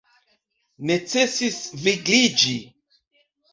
Necesis vigliĝi!